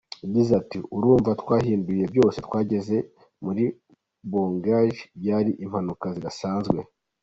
Yagize ati “Urumva twahinduye byose, twageze muri Bourgogne, byari impinduka zidasanzwe.